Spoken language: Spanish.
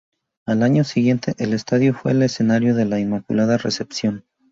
Al año siguiente, el estadio fue el escenario de la Inmaculada Recepción.